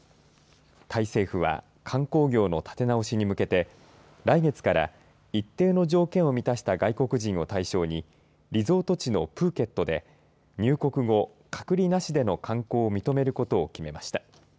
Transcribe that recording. タイ政府は観光業の立て直しに向けて来月から一定の条件を満たした外国人を対象にリゾート地のプーケットで入国後、隔離なしでの観光を認めることを決めました。